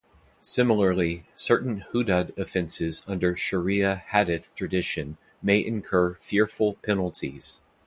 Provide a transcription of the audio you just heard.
Similarly, certain hudud offenses under Sharia hadith tradition may incur fearful penalties.